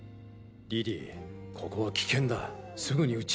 リリーここは危険だすぐに家へ。